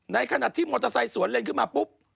ในขณะที่มอเตอร์ไซค์สวนเลนขึ้นมาปุ๊บ